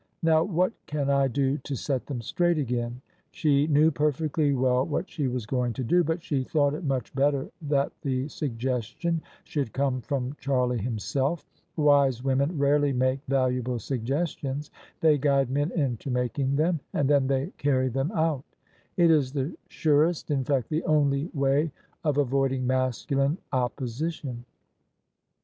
Now what can I do to set them straight again ?" She knew perfectly well what she was going to do: but she thought it much better that the suggestion should come from Charlie himself. Wise women rarely make valuable suggestions: they guide men into making them, and then they carry them out. It is the surest — in fact the only — ^way of avoiding masculine opposi tion.